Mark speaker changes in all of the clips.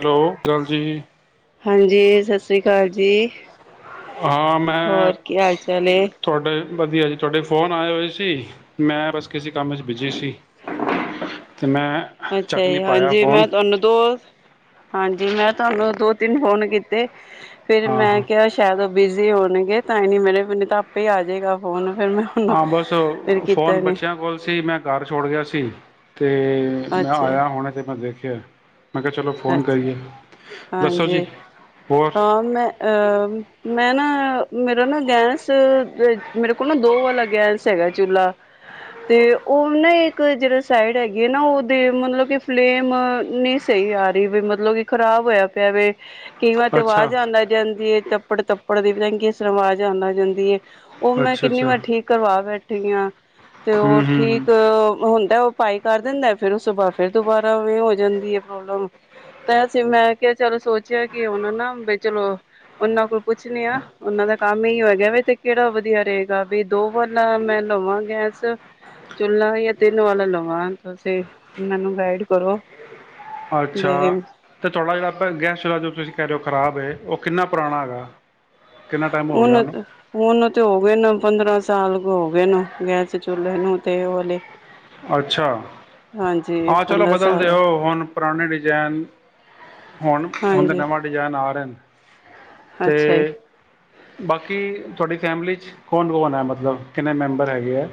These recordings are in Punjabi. Speaker 1: ਹੈਲੋ ਗੱਲ ਜੀ।
Speaker 2: ਹਾਂਜੀ, ਸਤ ਸ੍ਰੀ ਕਾਲ ਜੀ।
Speaker 1: ਹਾਂ ਮੈਂ,
Speaker 2: ਹੋਰ ਕੀ ਹਾਲ ਚਾਲ ਏ
Speaker 1: ਤੋਡੇ ਵਧੀਆ ਜੀ, ਤੋਡੇ ਫੋਨ ਆਏ ਹੋਏ ਸੀ ਮੈਂ ਬਸ ਕਿਸੇ ਕੰਮ 'ਚ ਬਿਜ਼ੀ ਸੀ। ਮੈਂ
Speaker 2: ਅੱਛਾ
Speaker 1: ਚੱਕ ਨਹੀਂ
Speaker 2: ਜੀ,
Speaker 1: ਪਾਇਆ
Speaker 2: ਹਾਂਜੀ
Speaker 1: ਫ਼ੋਨ
Speaker 2: ਮੈਂ ਤੁਵਾਨੂੰ ਦੋ--ਹਾਂਜੀ। ਜੀ ਮੈਂ ਤੁਵਾਨੂੰ ਦੋ-ਤਿੰਨ ਫੋਨ ਕੀਤੇ। ਫੇਰ
Speaker 1: ਹਾਂ
Speaker 2: ਮੈਂ
Speaker 1: ਹਾਂ
Speaker 2: ਕਿਆ ਸੈ਼ਦ ਔ ਬਿਜ਼ੀ ਹੋਣਗੇ। ਤਾਂ ਹੀ ਨੀ ਮਿਲੇ ਮੈਨੇ ਤਾਂ ਆਪੇ ਈ ਆ ਜੇਗਾ ਫੋਨ। ਫਿਰ ਮੈਂ ਉਹਨੂੰ
Speaker 1: ਹਾਂ ਬਸ
Speaker 2: ਫਿਰ
Speaker 1: ਫੋਨ
Speaker 2: ਕੀਤਾ ਨੇ
Speaker 1: ਬੱਚਿਆਂ ਕੋਲ ਸੀ ਮੈਂ ਘਰ ਛੋੜ ਗਿਆ ਸੀ। ਤੇ ਮੈਂ ਆਯਾ ਹੁਣ ਤੇ ਮੈਂ ਦੇਖ ਕਿ ਹੋਯੈ?
Speaker 2: ਅਛਾ।
Speaker 1: ਦੱਸੋ ਜੀ
Speaker 2: ਹਾਂਜੀ
Speaker 1: ਹੋਰ
Speaker 2: ਹਾਂ ਮੈਂ ਅਹ ਮੈਂ ਨਾ ਮੇਰਾ ਨਾ ਗੈਸ ਵੇਚ ਮੇਰੇ ਕੋਲ ਨਾ ਦੋ ਵਾਲਾ ਗੈਸ ਹੈਗਾ ਚੁਲਾ ਤੇ ਔ ਨਾ ਇੱਕ ਜੇੜਾ ਸਾਈਡ ਹੈਗੀ ਐ ਨਾ ਉਦੇ ਮਤਲਬ ਕਿ ਫਲੇਮ ਨੀ ਸਹੀ ਆ ਰ ਰੀ ਵੇ ਮਤਲਬ ਕਿ ਖ਼ਰਾਬ ਹੋਯਾ ਪਿਆ ਵੇ। ਕਈ ਵਾਰ ਤੇ
Speaker 1: ਅੱਛਾ
Speaker 2: ਵਾਜ਼ ਆਣ ਲਗ ਜਾਂਦੀ ਏ ਤਪ ਕੱਪੜ-ਤੱਪੜ ਦੀ ਪਤਾ ਨੀ ਕਿਸ ਤਰਾਂ ਵਾਜ਼ ਆਨ ਲਗ ਜਾਂਦੀ ਏ। ਓਹ ਮੈਂ
Speaker 1: ਅੱਛਾ
Speaker 2: ਕਿੰਨੀ
Speaker 1: ਅੱਛਾ
Speaker 2: ਵਾਰ ਠੀਕ ਕਰਵਾ ਬੈਠੀ ਆਂ। ਤੇ
Speaker 1: ਹੂੰ
Speaker 2: ਔ
Speaker 1: ਹੂੰ ਹੂੰ।
Speaker 2: ਠੀਕ ਹੁੰਦ ਤੈ ਔ ਪਾਈ ਕਰ ਦਿੰਦੈ ਫੇਰ ਉਸੋ ਬਾਦ ਫੇਰ ਦੁਬਾਰਾ ਔਵੇ ਹੋ ਜਾਂਦੀ ਏ, ਪ੍ਰੋਬਲਮ। ਕੈਸੀ ਮੈਂ ਕਿਆ ਚਲ ਸੋਚਿਆ ਕਿ ਹੁਣ ਨਾ ਬਈ ਚਲੋ ਉਨਾਂ ਕੋਲ ਪੁੱਛਣੇ ਆਂ ਉਨਾਂ ਦਾ ਕੰਮ ਅਈਔ ਹੈਗਾ ਵੇ ਤੇ ਕੇੜਾ ਵਧੀਆ ਰਹੇਗਾ ਬਈ ਦੋ ਵਾਲਾ ਮੈਂ ਲਵਾਂ ਗੈਸ ਚੁਲਾ ਯਾ ਤੇੰਨ ਵਾਲਾ ਲਵਾਂ, ਤੁਸੀਂ ਮੈਨੂੰ ਨੂੰ ਗਾਈਡ ਕਰੋ।
Speaker 1: ਅੱਛਾ।
Speaker 2: ਬਈ
Speaker 1: ਤੇ ਤੁਹਾਡਾ ਜੇੜਾ ਅ ਪੈਲਾ ਗੈਸ ਚੁਲਾ ਜੋ ਤੁਸੀਂ ਕੈ ਰੇ ਹੋ ਖ਼ਰਾਬ [unintelligible] ਓ ਕਿੰਨਾ ਪੁਰਾਣਾ ਹੈਗਾਐ।
Speaker 2: [unintelligible] ਸਾਲ ਕ ਹੋ ਗਏ ਨੂ, ਗੈਸ ਚੁੱਲੇ ਨੂੰ ਤੇ ਓ ਵਾਲੇ।
Speaker 1: ਅੱਛਾ,
Speaker 2: ਹਾਂਜੀ
Speaker 1: ਆ ਚਲੋ
Speaker 2: ਪੰਦਰਾਂ
Speaker 1: ਬਦਲਦੇ
Speaker 2: ਸਾਲ
Speaker 1: ਓ ਹੁਨ ਪਰਾਨਣੇ ਡਿਜੈਨ। ਹੋਨ, ਹੋਨ ਤੇ
Speaker 2: ਹਾਂਜੀ
Speaker 1: ਨਵ ਡਿਜੈਨ ਆ ਰੇਯਾ ਨ,
Speaker 2: ਅੱਛਾ ਜੀ
Speaker 1: ਤੇ ਬਾਕੀ ਤੁਆਡੀ ਫੈਮਲੀ ਚ ਕੌਨ, ਕੌਨ ਐ? ਮਤਲਬ ਕਿੰਨੇ ਮੈਂਬਰ ਹੈਗੇ ਐ?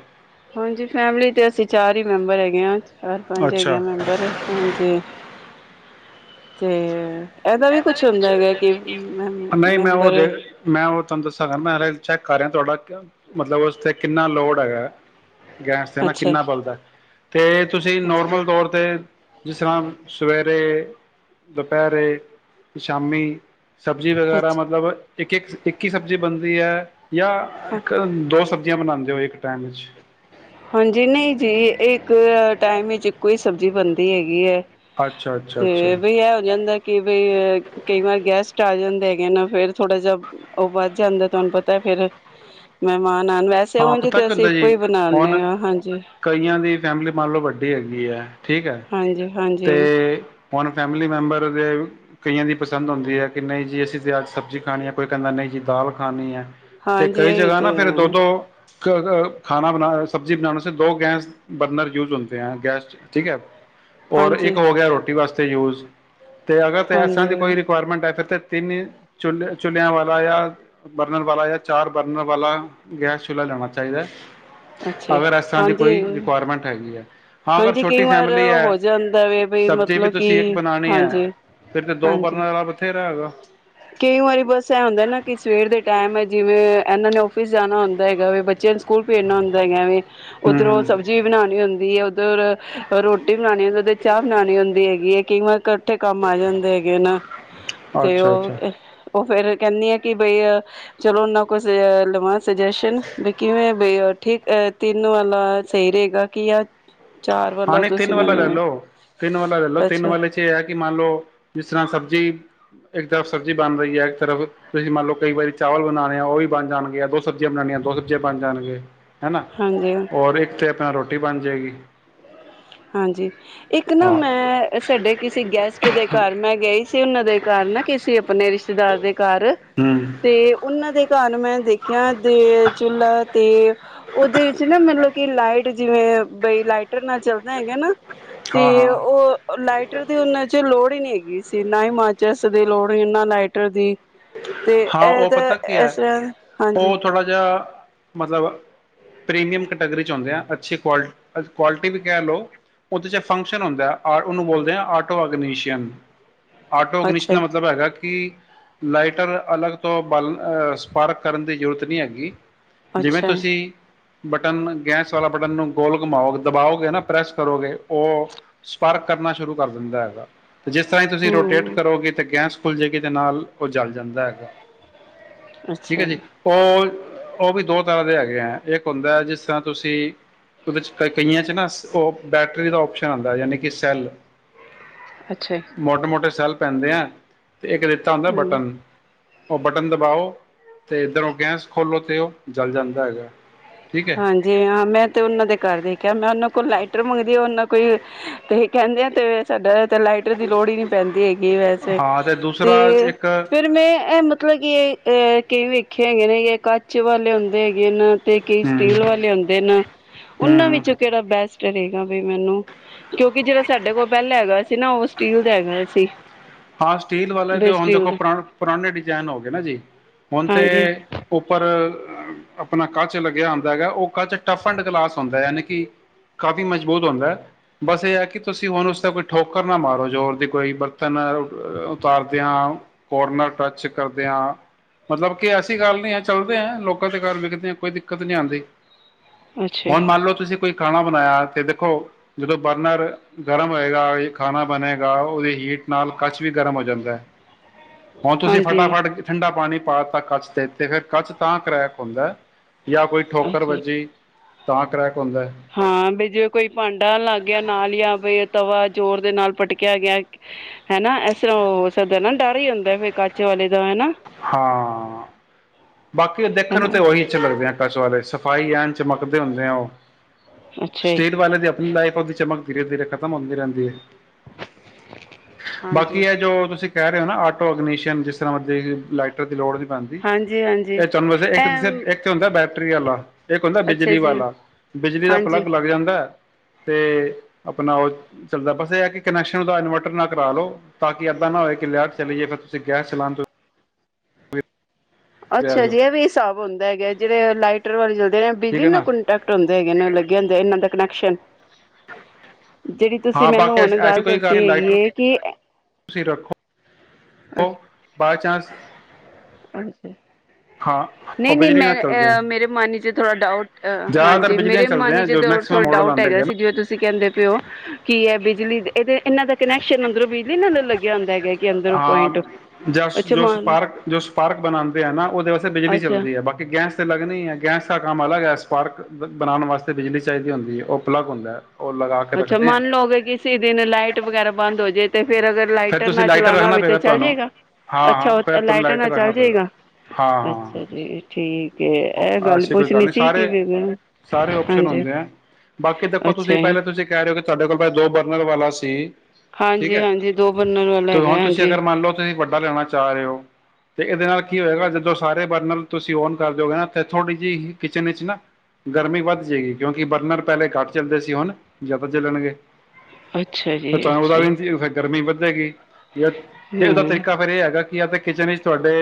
Speaker 2: ਹਾਂਜੀ, ਫੈਮਲੀ ਤੇ ਅਸੀਂ ਚਾਰ ਈ ਮੈਂਬਰ ਹੈਗੇ ਆਂ। ਚਾਰ, ਪੰਜ ਹੈਗੇ ਆਂ
Speaker 1: ਅੱਛਾ
Speaker 2: ਮੈਂਬਰ ਹਾਂਜੀ। ਤੇ ਐਦਾ ਵੀ ਕੁਛ ਹੁੰਦਾ ਹੈਗੈ ਕਿ ਮੈਮ
Speaker 1: ਨਹੀਂ, ਮੈਂ ਓਅ
Speaker 2: ਮੈਂਬਰ
Speaker 1: ਦੇ ਮੈਂ ਓਹ ਤਾਂਨ ਦੱਸਾਂ ਕਰ ਮੈਂ ਹ ਚੈੱਕ [unintelligible] ਮਤਲਬ ਉਸ ਤੇ ਕਿੰਨਾ ਲੋੜ ਹੈਗੈ। ਗੈਂਸ 'ਤੇ ਨਾ
Speaker 2: ਅੱਛਾ
Speaker 1: ਕਿੰਨਾ ਬਲਦੈ, ਤੇ ਤੁਸੀਂ
Speaker 2: ਅੱਛਾ
Speaker 1: ਨੋਰਮਲ ਤੋਰ ਤੇ ਜਿਸਰਾਂ ਸਵੇਰੇ ਦੁਪੈਰੇ, ਸ਼ਾਮੀ। ਸਬਜੀ ਵਗੈਰਾ
Speaker 2: ਅੱਛਾ
Speaker 1: ਮਤਲਬ ਏਕ, ਏਕ, ਇੱਕ ਈ ਸਬਜੀ ਬਨਦੀ ਐ? ਯਾ ਏਕ ਦੋ ਸਬਜੀਆਂ ਬਨਾਂਦੇ ਓ ਇ? [unintelligible]
Speaker 2: ਏ ਐ ਐ ਟਾਈਮ ਵਿੱਚ ਇੱਕੋ ਈ ਸਬਜੀ ਬਨਦੀ। ਤੇ ਹੈਗੀ ਹੈ
Speaker 1: ਅੱਛਾ ਅੱਛਾ ਅੱਛਾ
Speaker 2: ਤੇ ਬਈ ਐ ਹੋ ਜਾਂਦਾ, ਕਿ ਬਈ ਕ ਕਈ ਬਾਰ ਗੈਸਟ ਆ ਜਾਂਦੇ ਹੈਗੇ ਨਾ ਫੇਰ ਥੋੜਾ ਜਾ ਓ ਵੱਧ ਜਾਂਦੈ। ਤੁਆਨੂੰ ਪਤਾ ਫੇਰ ਮੈਅਮਾਨ ਨਾਲ ਵੈਸੇ
Speaker 1: ਹਾਂ
Speaker 2: ਓੰਜ
Speaker 1: ਪਤਾ ਕੀ
Speaker 2: ਅਸੀਂ
Speaker 1: ਹੁੰਦਾ
Speaker 2: ਇੱਕੋ
Speaker 1: ਜੀ
Speaker 2: ਈ ਬਨਾਦਨੇ
Speaker 1: ਹੁਣ
Speaker 2: ਆ। ਹਾਂਜੀ
Speaker 1: ਕਈਆਂ ਦੀ ਫੈਮਲੀ ਮੰਨ ਲੋ ਵੱਡੀ ਹੈਗੀ ਐ। ਠੀਕ ਐ।
Speaker 2: ਹਾਂਜੀ
Speaker 1: ਤੇ
Speaker 2: ਹਾਂਜੀ
Speaker 1: ਹੋਨ ਫੈਮਲੀ ਮੈਂਬਰ ਵੇ, ਕਈਆਂ ਦੀ ਪਸੰਦ ਹੋਂਦੀ ਐ, ਕੇ ਨਹੀਂ ਜੀ ਅਸੀਂ ਤਾਂ ਅੱਜ ਸਬਜੀ ਖਾਨੀ ਐ, ਕੋਈ ਕੈਂਦਾ ਨਈ ਜੀ ਦਾਲ ਖਾਨੀ ਐ। ਤੇ
Speaker 2: ਹਾਂਜੀ
Speaker 1: ਕਈ
Speaker 2: ਇਹ
Speaker 1: ਜਗਾ ਨਾ
Speaker 2: ਤੇ
Speaker 1: ਫੇਰ ਦੋ ਦੋ ਕ, ਗ ਖਾਨਾ ਬਨਾ ਸਬਜੀ ਬਨਾਨ ਵਾਸਤੇ, ਦੋ ਗੈਂਸ ਬਰਨਰ ਯੂਜ਼ ਹੋਤੈ ਐਂ ਗੈਸ ਠੀਕ ਐ। ਔਰ ਏਕ
Speaker 2: ਹਾਂਜੀ
Speaker 1: ਹੋ ਗੇਆ ਰੋਟੀ ਵਾਸਤੇ ਯੂਜ਼। [inaudible] ਤੇ ਅਗਰ ਤਾਂ ਐਸਾਂ
Speaker 2: ਹਾਂਜੀ
Speaker 1: ਦੀ ਕੋਈ ਰਿਕੁਆਇਰਮੈਂਟ ਹੈ। ਫਿਰ ਤਾਂ ਤਿੰਨੀ ਚੁ ਚੁਲੇ ਚੁ਼ਲੇਆਂ ਵਾਲਾ, ਯਾ ਬਰਨਰ ਵਾਲਾ ਯਾ ਚਾਰ ਬਰਨਰ ਵਾਲਾ ਗੈਸ ਚੁੱਲ੍ਹਾ ਲੈਣਾ ਚਾਈਦਾ ਐ।
Speaker 2: ਅੱਛਾ
Speaker 1: ਅਗਰ ਇਸ ਤਰ੍ਹਾਂ ਦੀ
Speaker 2: ਹਾਂਜੀ
Speaker 1: ਕੋਈ ਰਿਕੁਆਇਰਮੈਂਟ ਹੈਗੀ ਹੈ ਹਾਂ ਅਗਰ
Speaker 2: ਹਾਂਜੀ ਕਈ
Speaker 1: ਛੋਟੀ
Speaker 2: ਵਾਰ
Speaker 1: ਫੈਮਿਲੀ ਹੈ
Speaker 2: ਹੋ ਜਾਂਦਾ
Speaker 1: ਸਬਜ਼ੀ ਵੀ
Speaker 2: ਮਤਲਬ ਕਿ
Speaker 1: ਤੁਸੀਂ ਇੱਕ ਬਣਾਣੀ ਹੈ
Speaker 2: ਹਾਂਜੀ
Speaker 1: ਫਿਰ ਤੇ ਦੋ
Speaker 2: ਹਾਂਜੀ
Speaker 1: ਬਰਨਰ ਵਾਲਾ ਬਥੇਰਾ ਹੈਗਾ
Speaker 2: ਕਈ ਵਾਰੀ ਬਸ ਇਹ ਹੁੰਦਾ ਨਾ ਕਿ ਸਵੇਰ ਦੇ ਟਾਈਮ ਹੈ ਜਿਵੇਂ ਇਹਨਾਂ ਨੇ ਆਫਸ ਜਾਣਾ ਹੁੰਦਾ ਹੈਗਾ ਵੀ ਬੱਚਿਆਂ ਨੂੰ ਸਕੂਲ ਭੇਜਣਾ ਹੁੰਦਾ ਹੈਗਾ ਵੇ
Speaker 1: ਹੂੰ
Speaker 2: ਉੱਧਰੋਂ
Speaker 1: ਹੂੰ
Speaker 2: ਸਬਜ਼ੀ ਬਣਾਉਣੀ ਹੁੰਦੀ ਹੈ [unintelligible] ਰੋਟੀ ਬਣਾਉਣੀ ਹੁੰਦੀ ਤੇ ਚਾਹ ਬਣਾਉਣੀ ਹੁੰਦੀ ਹੈਗੀ ਹੈ ਕਿਵੇੈਂ ਕਰ ਇੱਥੇ ਕੰਮ ਆ ਜਾਂਦੇ ਹੈਗੇ ਨਾ ਤੇ
Speaker 1: ਅੱਛਾ ਅੱਛਾ
Speaker 2: ਉਹ ਉਹ ਫੇਰ ਕਹਿੰਦੀ ਆ ਕਿ ਬਈ ਚਲੋ ਓਹਨਾ ਕੋਲੋ ਲਵਾਂ ਸਜੈਸ਼ਨ ਵੀ ਕਿਵੇਂ ਬਈ ਠੀਕ ਅ ਤਿੰਨ ਵਾਲਾ ਸਹੀ ਰਹੇਗਾ ਕੀ ਆ ਚਾਰ
Speaker 1: ਹਾਂ
Speaker 2: ਵਾਲਾ
Speaker 1: ਨਹੀਂ ਤਿੰਨ
Speaker 2: ਤੁਸੀਂ
Speaker 1: ਵਾਲਾ ਲੈ
Speaker 2: ਮੈਨੂੰ
Speaker 1: ਲੋ ਤਿੰਨ ਵਾਲਾ ਲੈ ਲੈਲੋ ਤਿੰਨ
Speaker 2: ਅੱਛਾ
Speaker 1: ਵਾਲੇ ਚ ਇਹ ਹੈ ਕਿ ਮੰਨ ਲਓ ਜਿਸ ਤਰ੍ਹਾਂ ਸਬਜ਼ੀ ਇੱਕ ਤਰਫ ਸਬਜ਼ੀ ਬਣ ਰਹੀ ਹੈ ਇੱਕ ਤਰਫ ਤੁਸੀਂ ਮੰਨ ਲਓ ਕਈ ਵਾਰੀ ਚਾਵਲ ਬਣਾਉਣੇ ਆ ਉਹ ਵੀ ਬਣ ਜਾਣਗੇ ਆ ਦੋ ਸਬਜ਼ੀਆਂ ਬਣਾਉਣੀਆਂ ਦੋ ਸਬਜ਼ੀਆਂ ਬਣ ਜਾਣਗੇ ਹਨਾ
Speaker 2: ਹਾਂਜੀ
Speaker 1: ਹੋਰ ਇੱਕ ਤੇ ਆਪਣਾ ਰੋਟੀ ਰੋਟੀ ਬਣ ਜਾਏਗੀ
Speaker 2: ਹਾਂਜੀ ਇੱਕ ਨਾ
Speaker 1: ਹਾਂ
Speaker 2: ਮੈਂ ਸਾਡੇ ਕਿਸੇ ਗੈਸਟ ਦੇ ਘਰ ਮੈਂ ਗਈ ਉਹਨਾਂ ਦੇ ਘਰ ਨਾ ਕਿਸੇ ਆਪਣੇ ਰਿਸ਼ਤੇਦਾਰ ਦੇ ਘਰ
Speaker 1: ਹੂੰ
Speaker 2: ਤੇ ਉਹਨਾਂ ਦੇ ਘਰ ਮੈਂ ਦੇਖਿਆ ਤੇ ਚੁਲਾ ਤੇ ਉਹਦੇ ਵਿੱਚ ਨਾ ਮਤਲਬ ਕਿ ਲਾਈਟ ਜਿਵੇਂ ਬਈ ਲਾਈਟਰ ਨਾ ਚੱਲ ਨਹੀਂ ਹੈਗਾ ਨਾ
Speaker 1: ਹਾਂ
Speaker 2: ਤੇ
Speaker 1: ਹਾਂ
Speaker 2: ਉਹ ਲਾਈਟਰ ਦੀ ਉਹਨਾਂ ਚ ਲੋੜ ਹੀ ਨਹੀਂ ਨਾ ਹੀ ਮਾਚਸ ਦੀ ਲੋੜ ਸੀ ਨਾ ਲਾਈਟਰ ਦੀ ਤੇ
Speaker 1: ਹਾਂ
Speaker 2: ਇਹ
Speaker 1: ਉਹ
Speaker 2: ਤਾਂ
Speaker 1: ਪਤਾ ਕੀ ਹੈ
Speaker 2: ਇਸ ਤਰ੍ਹਾਂ ਹਾਂਜੀ
Speaker 1: ਉਹ ਥੋੜ੍ਹਾ ਜਿਹਾ ਮਤਲਬ ਪ੍ਰੀਮੀਅਮ ਕੈਟਾਗਰੀ ਚ ਆਉਂਦੇ ਆ ਅੱਛੀ ਕੁਆਲਟੀ ਵੀ ਕਹਿ ਲਓ ਉਹਦੇ ਚ ਫੰਕਸ਼ਨ ਹੁੰਦਾ ਹੈ ਉਹਨੂੰ ਬੋਲਦੇ ਆ ਆਟੋ ਅਗਨੀਸ਼ਿਨ ਆਟੋ ਅਗਨਿਸ਼ਿਨ
Speaker 2: ਅੱਛਾ
Speaker 1: ਦਾ ਮਤਲਬ ਹੈਗਾ [unintelligible] ਲਾਈਟਰ ਅਲੱਗ ਤੋਂ ਬਾਲ ਸਪਾਰਕ ਕਰਨ ਦੀ ਜ਼ਰੂਰਤ ਨਹੀਂ ਹੈਗੀ ਜਿਵੇਂ
Speaker 2: ਅੱਛਾ
Speaker 1: ਤੁਸੀਂ ਬਟਨ ਗੈਸ ਵਾਲਾ ਬਟਨ ਨੂੰ ਗੋਲ ਘੁਮਾਓ ਦਬਾਓਗੇ ਨਾ ਪ੍ਰੈਸ ਕਰੋਗੇ ਉਹ ਸਪਾਰਕ ਕਰਨਾ ਸ਼ੁਰੂ ਕਰ ਦਿੰਦਾ ਹੈਗਾ ਤੇ ਜਿਸ ਤਰ੍ਹਾਂ ਹੀ ਤੁਸੀਂ ਰੋਟੇਟ
Speaker 2: ਹਮ
Speaker 1: ਕਰੋਗੇ ਤਾਂ ਗੈਸ ਫੁਲ ਜਾਏਗੀ ਇਹਦੇ ਨਾਲ ਉਹ ਜਲ ਜਾਂਦਾ ਹੈਗਾ ਠੀਕ ਹੈ
Speaker 2: ਅੱਛਾ
Speaker 1: ਜੀ ਉਹ ਉਹ ਵੀ ਦੋ ਤਰ੍ਹਾਂ ਦੇ ਹੈਗੇ ਐ ਇੱਕ ਹੁੰਦਾ ਜਿਸ ਤਰ੍ਹਾਂ ਤੁਸੀਂ ਉਹਦੇ ਚ ' ਕਈਆਂ 'ਚ ਨਾ ਉਹ ਬੈਟਰੀ ਦਾ ਓਪਸ਼ਨ ਆਉਂਦਾ ਯਾਨੀ ਕਿ ਸੈੱਲ
Speaker 2: ਅੱਛਾ
Speaker 1: ਮੋਟੇ ਮੋਟੇ ਸੈਲ ਪੈਂਦੇ ਐ ਤੇ ਇੱਕ ਦਿੱਤਾ ਹੁੰਦਾ
Speaker 2: ਹਮ
Speaker 1: ਬਟਨ ਉਹ ਬਟਨ ਦਬਾਓ ਤੇ ਇੱਧਰੋਂ ਗੈਸ ਖੋਲੋ ਤੇ ਉਹ ਜਲ ਜਾਂਦਾ ਹੈਗਾ ਠੀਕ ਹੈ
Speaker 2: ਹਾਂਜੀ ਹਾਂ ਮੈਂ ਤੇ ਉਹਨਾਂ ਦੇ ਘਰ ਦੇ ਵੇਖਿਆ ਮੈਂ ਉਹਨਾਂ ਕੋਲ ਲਾਈਟਰ ਮੰਗਦੀ ਆ ਉਹਨਾਂ ਕੋਈ ਤੇ ਕਹਿੰਦੇ ਆ ਤੇ ਸਾਡਾ ਤਾਂ ਲਾਈਟਰ ਦੀ ਲੋੜ ਹੀ ਨਹੀਂ ਪੈਂਦੀ ਹੈਗੀ ਵੈਸੇ
Speaker 1: ਹਾਂ ਅਤੇ ਦੂਸਰਾ
Speaker 2: ਤੇ
Speaker 1: ਇੱਕ
Speaker 2: ਫਿਰ ਮੈਂ ਐ ਇਹ ਮਤਲਬ ਕਿ ਕਈ ਵੇਖੇ ਹੈਗੇ ਨੇ ਘੱਟ ਕੱਚੇ ਵਾਲੇ ਹੁੰਦੇ ਹੈਗੇ ਨਾ ਤੇ ਕਈ
Speaker 1: ਹਮ
Speaker 2: ਸਟੀਲ ਵਾਲੇ ਆਉਂਦੇ ਨਾ
Speaker 1: ਹਮ
Speaker 2: ਉਹਨਾਂ
Speaker 1: ਹਮ
Speaker 2: ਵਿੱਚੋਂ ਕਿਹੜਾ ਬੈਸਟ [unintelligible] ਵੀ ਮੈਨੂੰ ਕਿਉਂਕਿ ਜਿਹੜਾ ਸਾਡੇ ਕੋਲ ਪਹਿਲਾ ਹੈਗਾ ਸੀ ਨਾ ਉਸ
Speaker 1: ਹਾਂ ਸਟੀਲ ਵਾਲੇ ਤੇ
Speaker 2: ਬੇ
Speaker 1: ਹੁਣ
Speaker 2: ਸਟੀਲ
Speaker 1: ਦੇਖੋ
Speaker 2: ਦਾ
Speaker 1: ਪੁਰਾ ਪੁਰਾਣੇ ਡਿਜਾਇਨ ਹੋ ਗਏ ਨਾ ਜੀ ਹੁਣ ਤੇ
Speaker 2: ਹਾਂਜੀ
Speaker 1: ਉੱਪਰ ਅਪਣਾ ਕੱਚ ਲੱਗਿਆ ਹੁੰਦਾ ਹੈਗਾ ਉਹ ਕੱਚ ਟਫਐਂਡ ਗਲਾਸ ਹੁੰਦਾ ਹੈ ਯਾਨੀ ਕਿ ਕਾਫ਼ੀ ਮਜ਼ਬੂਤ ਹੁੰਦਾ ਐ ਬਸ ਇਹ ਹੈ ਕਿ ਤੁਸੀਂ ਉਸਤੇ ਕੋਈ ਠੋਕਰ ਨਾ ਮਾਰੋ ਜ਼ੋਰ ਦੀ ਕੋਈ ਬਰਤਨ ਉਤਾਰਦਿਆਂ ਕੋਰਨਰ ਟੱਚ ਕਰਦੇ ਆਂ ਮਤਲਬ ਕਿ ਐਸੀ ਗੱਲ ਨਹੀਂ ਹੈ ਚੱਲਦੇ ਆ ਲੋਕਾਂ ਦੇ ਘਰ ਵਿਕਦੇ ਆ ਕੋਈ ਦਿੱਕਤ ਨਹੀਂ ਆਉਂਦੀ
Speaker 2: ਅੱਛਾ ਜੀ
Speaker 1: ਹੁਣ ਮੰਨ ਲੋਓ ਤੁਸੀਂ ਕੋਈ ਖਾਣਾ ਬਣਾਇਆ ਤੇ ਦੇਖੋ ਜਦੋਂ ਬਰਨਰ ਗਰਮ ਹੋਏਗਾ ਖਾਣਾ ਬਣੇ ਉਹਦੀ ਹੀਟ ਨਾਲ ਕੱਚ ਵੀ ਗਰਮ ਹੋ ਜਾਂਦਾ ਐ ਹੁਣ ਤੁਸੀਂ
Speaker 2: ਹਾਂਜੀ
Speaker 1: ਫਟਾਫਟ ਠੰਡਾ ਪਾਣੀ ਪਾਤਾ ਕੱਚ ਤੇ ਤੇ ਫਿਰ ਕੱਚ ਤਾਂ ਕਰੈਕ ਹੁੰਦਾ ਏ ਜਾਂ ਕੋਈ ਠੋਕਰ
Speaker 2: ਅੱਛਾ
Speaker 1: ਵੱਜੀ ਤਾਂ ਕਰੈਕ ਹੁੰਦਾ
Speaker 2: ਹਾਂ ਬ ਜੇ ਕੋਈ ਭਾਂਡਾ ਲੱਗ ਗਿਆ ਨਾਲ ਜਾਂ ਫੇਰ ਤਵਾ ਜ਼ੋਰ ਦੇ ਨਾਲ ਪਟਕਿਆ ਗਿਆ ਹੈਨਾ ਇਸ ਤਰ੍ਹਾਂ ਹੋ ਸਕਦਾ ਨਾ ਡਰ ਹੀ ਹੁੰਦਾ ਫਿਰ ਕੱਚ ਵਾਲੇ ਦਾ ਹਨਾ
Speaker 1: ਹਾਂ ਬਾਕੀ ਉਹ ਦੇਖਣ ਨੂੰ
Speaker 2: ਹਨਾ
Speaker 1: ਤਾਂ ਉਹੀ ਅੱਛੇ ਲੱਗਦੇ ਆ ਕੱਚ ਵਾਲੇ ਸਫ਼ਾਈ ਐਨ ਚਮਕਦੇ ਹੁੰਦੇ ਆ ਉਹ
Speaker 2: ਅੱਛਾ ਜੀ
Speaker 1: ਸਟੇਟ ਵਾਲਿਆਂ ਦੀ ਆਪਣੀ ਲਾਈਫ ਉਹਦੀ ਚਮਕ ਧੀਰੇ ਧੀਰੇ ਖ਼ਤਮ ਹੁੰਦੀ ਰਹਿੰਦੀ ਹੈ ਬਾਕੀ
Speaker 2: ਹਾਂਜੀ
Speaker 1: ਹੈ ਜੋ ਤੁਸੀਂ ਕਹਿ ਰਹੇ ਹੋ ਨਾ ਆਟੋ ਅਗਨੀਸ਼ਨ ਜਿਸ ਤਰ੍ਹਾਂ ਤੇ ਲਾਈਟਰ ਦੀ ਲੋੜ ਨੀ ਪੈਂਦੀ।
Speaker 2: ਹਾਂਜੀ ਹਾਂਜੀ
Speaker 1: ਇਹ ਚੰਮਸੇ ਇਕ
Speaker 2: ਇਹ
Speaker 1: ਇਕ ਹੁੰਦਾ ਬੈ ਟ੍ਰੀ ਆਲਾ, ਇੱਕ ਹੁੰਦਾ
Speaker 2: ਅੱਛਾ
Speaker 1: ਬਿਜਲੀ
Speaker 2: ਜੀ
Speaker 1: ਵਾਲਾ ਬਿਜਲੀ ਦਾ
Speaker 2: ਹਾਂਜੀ
Speaker 1: ਪਲੱਗ ਲੱਗ ਜਾਂਦਾ ਤੇ, ਆਪਣਾ ਔ ਚੱਲਦਾ ਬਸ ਇਹ ਹੈ ਕਿ ਕਨੈਕਸ਼ਨ ਦਾ ਇਨਵਰਟਰ ਨਾ ਕਰਾ ਲਉ, ਤਾਂ ਕਿ ਇੱਦਾਂ ਨਾ ਹੋਵੇ ਕਿ ਲਾਈਟ ਚਲੀਏ ਫਿਰ ਤੁਸੀਂ ਗੈਸ ਚਲਾਣ ਤੋਂ ਰਹਿ
Speaker 2: ਅੱਛਾ
Speaker 1: ਜਾਓ
Speaker 2: ਜੀ ਇਹ ਵੀ ਹਿਸਾਬ ਹੁੰਦਾ ਹੈਗਾ, ਜਿਹੜੇ ਲਾਈਟਰ ਵਾਲੇ ਚਲਦੇ
Speaker 1: ਠੀਕ ਹੈ
Speaker 2: ਬਿਜਲੀ
Speaker 1: ਨਾ
Speaker 2: ਕੰਟੈਕਟ ਹੁੰਦੇ ਹੈਗੇ ਨੇ ਲੱਗੇ ਹੁੰਦੇ ਇਹਨਾ ਦਾ ਕਨੈਕਸ਼ਨ ਜਿਹੜੀ ਤੁਸੀਂ
Speaker 1: ਹਾਂ
Speaker 2: ਮੈਨੂੰ
Speaker 1: ਬਾਕੀ ਐਸ-
Speaker 2: ਹੁਣ
Speaker 1: ਐਸੀ
Speaker 2: ਗੱਲ
Speaker 1: ਕੋਈ
Speaker 2: ਦੱਸੀ
Speaker 1: ਨਹੀਂ
Speaker 2: ਹੈਗੀ
Speaker 1: ਲਾਈਟਰ
Speaker 2: ਹੈ ਕਿ
Speaker 1: ਹੋ ਬਾਏ ਚਾਂਸ [unintelligible] ਹਾਂ ਉਹ
Speaker 2: ਨਹੀਂ-ਨਹੀਂ,
Speaker 1: ਬਿਜਲੀ
Speaker 2: ਮੈਂ
Speaker 1: ਨਾਲ ਚੱਲਦੇ
Speaker 2: ਅ
Speaker 1: ਹੈ
Speaker 2: ਮੇਰੇ ਮਨ ਚ ਥੋੜਾ ਡਾਊਟ
Speaker 1: ਜ਼ਿਆਦਾਤਰ
Speaker 2: ਹਾਂਜੀ
Speaker 1: ਬਿਜਲੀ ਨਾਲ
Speaker 2: ਮੇਰੇ
Speaker 1: ਚੱਲਦੇ
Speaker 2: ਮਨ
Speaker 1: ਹੈ
Speaker 2: ਚ
Speaker 1: ਜੋ
Speaker 2: ਥੋੜਾ
Speaker 1: ਮੈਕਸਿਮਮ ਮਾਡਲ
Speaker 2: ਡਾਊਟ
Speaker 1: ਆਉਂਦੇ
Speaker 2: ਹੈਗਾ
Speaker 1: ਹੈਗੇ
Speaker 2: ਸੀ ਜਿਵੇਂ ਤੁਸੀਂ ਕਹਿੰਦੇ ਪਏ ਔ। ਕੀ ਹੈ ਬਿਜਲੀ ਇਹਦੇ ਇਹਨਾਂ ਦਾ ਕਨੈਕਸ਼ਨ ਅੰਦਰੋਂ ਬਿਜਲੀ ਨਾਲ ਲੱਗਿਆ ਹੁੰਦਾ ਹੈਗਾ ਐ।
Speaker 1: ਹਾਂ ਜਸ਼ ਜੋਸ਼
Speaker 2: ਲਓ
Speaker 1: ਪਾਰਕ ਜੋ ਪਾਰਕ ਬਣਾਦੇ ਨਾ ਉਹਦੇ ਵਾਸਤੇ ਬਿਜਲੀ
Speaker 2: ਅੱਛਾ
Speaker 1: ਚੱਲਦੀ ਹੈ, ਬਾਕੀ ਗੈਸ ਤੇ ਲੱਗਣੀ ਐ ਗੈਸ ਦਾ ਕੰਮ ਅਲਗ ਪਲ ਸਪਾਰਕ ਬਣਾਣ ਵਾਸਤੇ ਬਿਜਲੀ ਚਾਹੀਦੀ ਹੁੰਦੀ ਹੈ, ਉਹ ਪਲੱਗ ਹੁੰਦਾ ਹੈ। ਉਹ ਲਗਾ ਕੇ
Speaker 2: ਅੱਛਾ
Speaker 1: ਰੱਖਦੇ
Speaker 2: ਮੰਨ ਲਓਗੇ, ਕਿਸੇ ਦਿਨ ਲਾਈਟ ਵਗੈਰਾ ਬੰਦ ਹੋ ਜਾਏ ਤੇ ਫੇਰ ਅਗਰ
Speaker 1: ਫਿਰ
Speaker 2: ਲਾਈਟਰ
Speaker 1: ਤੁਸੀਂ
Speaker 2: ਨਾ ਚਲਾ ਪੁਣਾ
Speaker 1: ਰੱਖਣਾ
Speaker 2: ਹੋਵੇ ਤੇ
Speaker 1: ਪਏਗਾ
Speaker 2: ਚੱਲ
Speaker 1: ਤੁਹਾਨੂੰ।
Speaker 2: ਜਾਏਗਾ,
Speaker 1: ਹਾਂ ਹਾਂ
Speaker 2: ਅੱਛਾ
Speaker 1: ਫਿਰ ਤੁਹਾਨੂੰ
Speaker 2: ਲਾਈਟਰ ਨਾਲ
Speaker 1: ਰੱਖਣਾ
Speaker 2: ਚੱਲ
Speaker 1: ਪਏਗਾ।
Speaker 2: ਜਾਏਗਾ
Speaker 1: ਹਾਂ
Speaker 2: ਅੱਛਾ ਜੀ ਠੀਕ ਇਹ
Speaker 1: ਹਾਂ
Speaker 2: ਗੱਲ
Speaker 1: ਐਸੀ ਕੋਈ
Speaker 2: ਪੁੱਛਣੀ
Speaker 1: ਨਹੀਂ,
Speaker 2: ਸੀ ਕਿ
Speaker 1: ਸਾਰੇ ਸਾਰੇ ਓਪਸ਼ਨ
Speaker 2: ਹਾਂਜੀ
Speaker 1: ਹੁੰਦੇ ਹੈ। ਬਾਕੀ ਦੇਖੋ,
Speaker 2: ਅੱਛਾ
Speaker 1: ਤੁਸੀਂ
Speaker 2: ਜੀ
Speaker 1: ਪਹਿਲੇ ਤੁਸੀਂ ਕਹਿ ਰਹੇ ਹੋ ਕਿ ਤੁਹਾਡੇ ਕੋਲ ਦੋ ਬਰਨਰ ਵਾਲਾ ਸੀ। ਠੀਕ
Speaker 2: ਹਾਂਜੀ
Speaker 1: ਹੈ।
Speaker 2: ਹਾਂਜੀ ਦੋ ਬਣਨਰ ਵਾਲਾ
Speaker 1: ਤੇ
Speaker 2: ਹੈ।
Speaker 1: ਹੁਣ ਤੁਸੀਂ ਅਗਰ ਮੰਨ ਲਓ। ਤੁਸੀਂ ਵੱਡਾ ਲੈਣਿਆਣਾ ਚਾਹ ਰਹੇ ਹੋ ਤੇ ਇਹਦੇ ਨਾਲ ਕੀ ਹੋਏਗਾ ਜਦੋਂ ਸਾਰੇ ਬਰਨਰ ਤੁਸੀਂ ਓਨ ਕਰ ਦਿਓਗੇ ਨਾ ਥੋੜ੍ਹੀ ਜਿਹੀ ਕਿਚਨ ਵਿੱਚ ਨਾ ਗਰਮੀ ਵੱਧ ਜਾਏਗੀ, ਕਿਉਂਕਿ ਬਰਨਰ ਪਹਿਲੇ ਘੱਟ ਚੱਲਦੇ ਸੀ ਹੁਣ ਜ਼ਿਆਦਾ ਚੱਲਣਗੇ।
Speaker 2: ਅੱਛਾ ਜੀ
Speaker 1: ਪਚਾਤਾ
Speaker 2: ਅੱਛਾ ਜੀ
Speaker 1: ਵੀ ਦੀ ਗਰਮੀ ਵ ਗੀ ਉਹਦਾ
Speaker 2: ਹੂੰ
Speaker 1: ਤਰੀਕਾ ਫੇਰ ਇਹ ਹੈਗਾ ਕਿ ਕਿਚਨ ਵਿੱਚ ਤੁਹਾਡੇ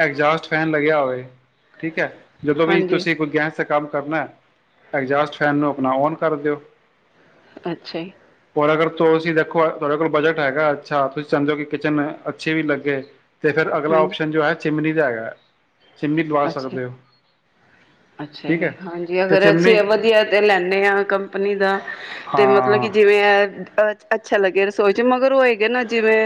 Speaker 1: ਐਗਜਾਸਟ ਫੈਨ ਲੱਗਿਆ ਹੋਵੇ ਠੀਕ ਹੈ। ਜਦੋਂ ਵੀ
Speaker 2: ਹਾਂਜੀ
Speaker 1: ਤੁਸੀਂ ਕੋਈ ਗੈਸ ਕੰਮ ਕਰਨਾ ਐਗਜਾਸਟ ਫੈਨ ਨੂੰ ਆਪਣਾ ਔਨ ਕਰ ਦਿਓ।
Speaker 2: ਅੱਛਾ ਜੀ,
Speaker 1: ਹੋਰ ਅਗਰ ਤੁਸੀਂ ਦੇਖੋ ਤੁਹਾਡੇ ਕੋਲ ਬਜਟ ਹੈਗਾ ਅੱਛਾ ਤੁਸੀਂ ਸਮਝੋ ਕਿ ਕਿਚਨ ਅੱਛੇ ਵੀ ਲੱਗੇ। ਤੇ ਫਿਰ ਅਗਲਾ
Speaker 2: ਹਾਂਜੀ
Speaker 1: ਓਪਸ਼ਨ ਜੋ ਹੈ। ਚਿਮਨੀ ਦਾ ਹੈਗਾ। ਚਿਮਨੀ ਲਵਾ
Speaker 2: ਅੱਛਾ
Speaker 1: ਸਕਦੇ ਹੋ
Speaker 2: ਅੱਛਾ
Speaker 1: ਠੀਕ ਹੈ
Speaker 2: ਹਾਂਜੀ
Speaker 1: ਤੇ
Speaker 2: ਅਗਰ ਅਸੀ
Speaker 1: ਚਿਮਨੀ
Speaker 2: ਵਧੀਆ ਤੇ ਲੈਦੇ ਆ ਕੰਪਨੀ ਦਾ ਤੇ ਮਤਲਬ ਕੀ
Speaker 1: ਹਾਂ
Speaker 2: ਜਿਵੇਂ ਆ ਅੱਛਾ ਲੱਗਿਆ ਰਸੋਈ ਚ ਮਗਰ ਹੋਏਗੇ ਨਾ ਜਿਵੇਂ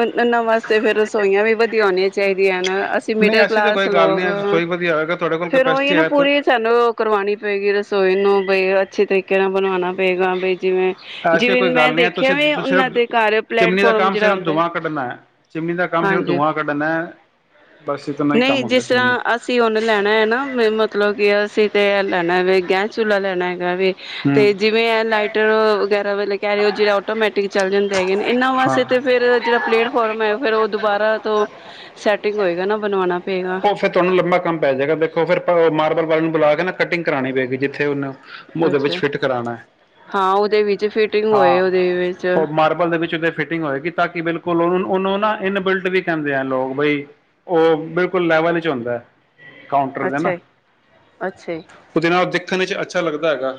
Speaker 2: ਇਹਨਾ ਵਾਸਤੇ ਫੇਰ ਰਸੋਈਆਂ ਵੀ ਵੱਡੀਆਂ ਹੋਣੀਆ ਚਾਹੀਦੀ ਆ ਨਾ [inaudible] ਅਸੀਂ
Speaker 1: ਨਹੀਂ
Speaker 2: ਮਿਡਲ
Speaker 1: ਐਸੀ ਤਾਂ
Speaker 2: ਕਲਾਸ
Speaker 1: ਕੋਈ ਗੱਲ
Speaker 2: ਲੋਕ
Speaker 1: ਨਹੀਂ ਹੈ, ਰਸੋਈ ਵਧੀਆ ਹੋਏਗਾ ਤੁਹਾਡੇ ਕੋਲ
Speaker 2: ਫੇਰ ਉਹੀ ਹੈ
Speaker 1: ਕਪੈਸਿਟੀ
Speaker 2: ਨਾ
Speaker 1: ਤਾਂ
Speaker 2: ਪੂਰੀ ਸਾਨੂੰ ਕਰਵਾਉਣੀ ਪਏਗੀ ਰਸੋਈ ਨੂੰ ਅੱਛੇ ਤਰੀਕੇ ਨਾਲ ਬਣਵਾਉਣਾ ਪਏਗਾ ਜਿਵੇਂ
Speaker 1: ਐਸੀ
Speaker 2: ਜਿਵੇਂ
Speaker 1: ਕੋਈ
Speaker 2: ਮੈਂ
Speaker 1: ਗੱਲ ਨਹੀਂ ਹੈ
Speaker 2: ਦੇਖਿਆ ਵੀ
Speaker 1: ਤੁਸੀਂ
Speaker 2: ਉਹਨਾਂ
Speaker 1: ਸਿਰਫ
Speaker 2: ਦੇ ਘਰ
Speaker 1: ਚਿਮਨੀ ਦਾ
Speaker 2: ਪਲੇੈਟਫਾਰਮ
Speaker 1: ਕੰਮ
Speaker 2: ਜਿਹੜਾ
Speaker 1: ਸਿਰਫ
Speaker 2: ਹੁੰਦਾ
Speaker 1: ਧੂੰਆਂ ਕੱਢਣਾ ਹੈ ਚਿਮਨੀ ਦਾ ਕੰਮ ਸਿਰਫ
Speaker 2: ਹਾਂਜੀ
Speaker 1: ਧੂੰਆਂ ਕੱਢਣਾ ਹੈ ਬਸ ਇਤਨਾ ਹੀ ਕੰਮ
Speaker 2: ਨਹੀਂ
Speaker 1: ਹੁੰਦਾ
Speaker 2: ਜਿਸ
Speaker 1: ਚਿਮਨੀ
Speaker 2: ਤਰ੍ਹਾਂ ਅਸੀਂ ਹੁਣ ਲੈਣਾ ਹੈ ਨਾ ਮਤਲਬ ਕੀ ਅਸੀਂ ਤੇ ਲੈਣਾ ਵੇ ਗੈਸ ਚੁਲਾ ਲੈਣਾ ਏ ਵੀ
Speaker 1: ਹੂੰ
Speaker 2: ਤੇ ਜਿਵੇਂ ਲਾਈਟਰ ਵਗੈਰਾ ਬਾਰੇ ਕਹਿ ਰਹੇ ਹੋ ਜਿਹੜੇ ਆਟੋਮੈਟਿਕ ਚੱਲ ਜਾਂਦੇ ਹੈਗੇ ਨੇ ਇਹਨਾਂ
Speaker 1: ਹਾਂ
Speaker 2: ਵਾਸਤੇ ਤੇ ਫਿਰ ਜਿਹੜਾ ਪਲੇਟਫਾਰਮ ਹੈ ਫਿਰ ਦੁਬਾਰਾ ਤੋਂ ਸੈਟਿੰਗ ਹੋਏਗਾ ਨਾ ਬਣਾਉਣਾ
Speaker 1: ਉਹ ਫਿਰ ਤੁਹਾਨੂੰ ਲੰਬਾ ਕੰਮ ਪੈ ਜਾਏਗਾ ਦੇਖੋ ਫਿਰ ਉਹ ਮਾਰਬਲ ਵਾਲੇ ਨੂੰ ਬੁਲਾ ਕੇ ਨਾ ਕਟਿੰਗ ਕਰਾਉਣੀ ਪਏਗੀ ਜਿੱਥੇ ਉਹਨੂੰ ਉਹਦੇ ਵਿੱਚ
Speaker 2: ਅੱਛਾ
Speaker 1: ਫਿੱਟ ਕਰਾਉਣਾ ਹੈ
Speaker 2: ਹਾਂ ਉਹਦੇ ਵਿੱਚ ਫਿਟਿੰਗ ਹੋਏ
Speaker 1: ਹਾਂ
Speaker 2: ਉਹਦੇ ਵਿੱਚ
Speaker 1: ਉਹ ਮਾਰਬਲ ਦੇ ਵਿੱਚ ਉਹਦੇ ਫਿਟਿੰਗ ਹੋਏਗੀ ਤਾਂ ਕਿ ਬਿਲਕੁਲ ਬਿਲਕੁਲ ਉਹਨੂੰ ਨਾ ਇਨਬਿਲਟ ਵੀ ਕਹਿੰਦੇ ਆ ਲੋਕ ਬਈ ਉਹ ਬਿਲਕੁਲ ਲੈਵਲ 'ਚ ਹੁੰਦਾ ਕਾਊਂਟਰ ਦੇ ਨਾ
Speaker 2: ਅੱਛਾ ਜੀ, ਅੱਛਾ ਜੀ।
Speaker 1: ਉਹਦੇ ਨਾਲ ਦੇਖਣ ਚ ਅੱਛਾ ਲੱਗਦਾ ਹੈਗਾ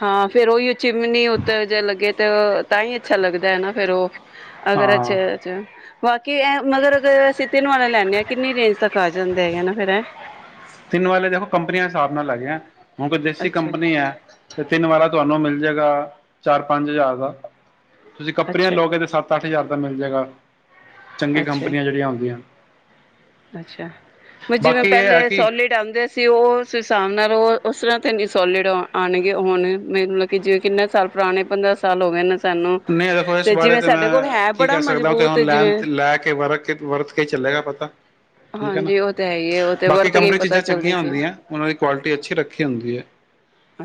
Speaker 2: ਹਾਂ ਫੇਰ ਉਹੀ ਚਿਮਨੀ ਉੱਤੇ ਜੇ ਲੱਗੇ ਤੇ ਤਾਂ ਹੀ ਅੱਛਾ ਲੱਗਦਾ ਹਨ ਨਾ ਫੇਰ ਉਹ ਅਗਰ ਅੱਛਾ
Speaker 1: ਹਾਂ
Speaker 2: ਅੱਛਾ ਬਾਕੀ ਮਗਰ ਅਰ ਅਸੀਂ ਤਿੰਨ ਵਾਲਾ ਲੈਣੇ ਆ ਕਿੰਨੀ ਰੇਂਜ ਤੱਕ ਜਾਂਦੇ ਹੈਗੇ ਨਾ ਫਿਰ ਏ
Speaker 1: ਤਿੰਨ ਵਾਲੇ ਦੇਖੋ ਕੰਪਨੀਆਂ ਹਿਸਾਬ ਨਾਲ ਹੈਗੇ ਹੁਣ ਕੋਈ ਦੇਸੀ
Speaker 2: ਅੱਛਾ
Speaker 1: ਕੰਪਨੀ ਹੈ ਤੇ ਤਿੰਨ ਵਾਲਾ ਤੁਹਾਨੂੰ ਮਿਲ ਜਾਏਗਾ ਚਾਰ ਪੰਜ ਹਜ਼ਾਰ ਦਾ ਤੁਸੀਂ ਕੰਪਨੀ ਵਾਲਾ
Speaker 2: ਅੱਛਾ
Speaker 1: ਲਓਗੇ ਤੇ ਸੱਤ ਅੱਠ ਹਜ਼ਾਰ ਦਾ ਮਿਲ ਜਾਏਗਾ ਚੰਗੇ
Speaker 2: ਅੱਛਾ
Speaker 1: ਕੰਪਨੀਆਂ ਜਿਹੜੀਆਂ ਆਉਂਦੀਆਂ
Speaker 2: ਅੱਛਾ ਮੈ ਜਿਵੇਂ
Speaker 1: ਇਹ ਹੈ
Speaker 2: ਪਹਿਲੇ
Speaker 1: ਕਿ
Speaker 2: ਸੋਲਿਡ ਆਉਂਦੇ ਸੀ ਉਹ ਉਸ ਹਿਸਾਬ ਨਾਲ ਉਹ ਉਸ ਤਰ੍ਹਾਂ ਤੇ ਨੀ ਸੋਲਿਡ ਆਉਣਗੇ ਹੁਣ ਮਤਲਬ ਕਿ ਜਿਵੇਂ ਕਿੰਨੇ ਸਾਲ ਪੁਰਾਣੇ ਪੰਦਰਾਂ ਸਾਲ ਹੋ ਗਏ ਸਾਨੂੰ
Speaker 1: ਨਹੀਂ ਦੇਖੋ ਇਸ ਬਾਰੇ
Speaker 2: ਜਿਵੇਂ
Speaker 1: ਤੇ ਮੈਂ
Speaker 2: ਸਾਡੇ ਕੋਲ ਹੈ
Speaker 1: ਕੀ
Speaker 2: ਬੜਾ
Speaker 1: ਕਹਿ ਸਕਦਾ ਕਿ
Speaker 2: ਮਜ਼ਬੂਤ
Speaker 1: ਹੁਣ ਲੈਣ
Speaker 2: ਜਿਵੇਂ
Speaker 1: ਲੈ ਕੇ ਵਰ ਕੇ ਵਰਤ ਕੇ ਹੀ ਚੱਲੇਗਾ ਪਤਾ ਠੀਕ ਹੈ ਨਾ
Speaker 2: ਹਾਂਜੀ ਉਹ ਤਾਂ ਹੈ ਹੀ ਹੈ ਉਹ ਤੇ
Speaker 1: ਬਾਕੀ
Speaker 2: ਵਰਤ ਕੇ ਹੀ
Speaker 1: ਕਮਰੇ
Speaker 2: ਪਤਾ
Speaker 1: ਚੀਜ਼ਾਂ
Speaker 2: ਚੱਲਦੀ
Speaker 1: ਚੰਗੀਆਂ
Speaker 2: ਚੀਜ਼
Speaker 1: ਹੁੰਦੀਆਂ ਉਹਨਾਂ ਦੀ ਕੁਆਲਿਟੀ ਅੱਛੀ ਰੱਖੀ ਹੁੰਦੀ ਹੈ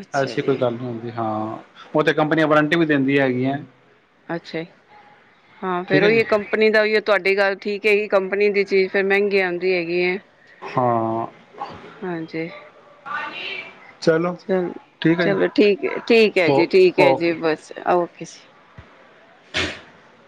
Speaker 2: ਅੱਛਾ
Speaker 1: ਐਸੀ ਕੋਈ
Speaker 2: ਜੀ
Speaker 1: ਗੱਲ ਨਹੀਂ ਹੁੰਦੀ ਹਾਂ ਉਹ ਤੇ ਕੰਪਨੀਆਂ ਵਾਰੰਟੀ ਵੀ ਦਿੰਦੀ ਹੈਗੀਆਂ
Speaker 2: ਅੱਛਾ ਜੀ ਹਾਂ
Speaker 1: ਠੀਕ
Speaker 2: ਫੇਰ
Speaker 1: ਹੈ ਜੀ
Speaker 2: ਉਹੀ ਕੰਪਨੀ ਦਾ ਤੁਹਾਡੀ ਗੱਲ ਠੀਕ, ਕਿਈ ਕੰਪਨੀ ਦੀ ਚੀਜ਼ ਫਿਰ ਮਹਿੰਗੀ ਆਦੀ ਹੈਗੀ ਐ।
Speaker 1: ਹਾਂ
Speaker 2: ਹਾਂਜੀ
Speaker 1: ਚਲੋ
Speaker 2: ਚਲ
Speaker 1: ਠੀਕ ਹੈ
Speaker 2: ਚਲੋ
Speaker 1: ਜੀ
Speaker 2: ਠੀਕ ਹੈ, ਠੀਕ ਹੈ
Speaker 1: ਓ
Speaker 2: ਜੀ ਠੀਕ ਹੈ ਜੀ
Speaker 1: ਓਕੇ
Speaker 2: ਬਸ ਓ [unintelligible]
Speaker 1: [inaudible]